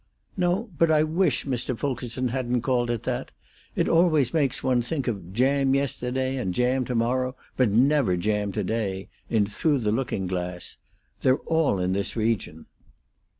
"No; but I wish Mr. Fulkerson hadn't called it that! It always makes one think of 'jam yesterday and jam tomorrow, but never jam to day,' in 'Through the Looking Glass.' They're all in this region."